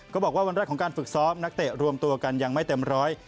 บอกว่าวันแรกของการฝึกซ้อมนักเตะรวมตัวกันยังไม่เต็มร้อย